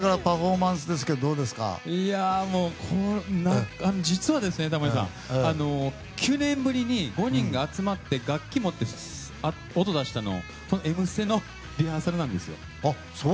これからパフォーマンスですけど実はタモリさん９年ぶりに５人が集まって楽器持って音出したの、「Ｍステ」のリハーサルなんですよ。